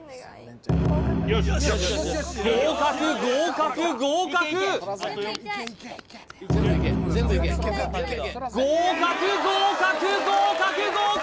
合格合格合格合格合格合格合格！